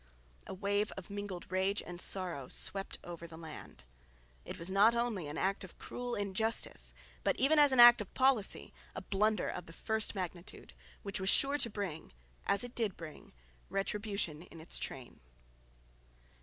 A wave of mingled rage and sorrow swept over the land. It was not only an act of cruel injustice, but even as an act of policy a blunder of the first magnitude, which was sure to bring, as it did bring, retribution in its train.